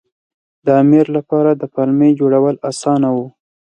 د امیر لپاره د پلمې جوړول اسانه وو.